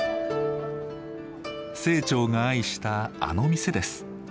清張が愛したあの店です。